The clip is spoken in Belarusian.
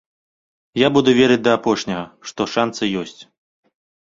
Я буду верыць да апошняга, што шанцы ёсць.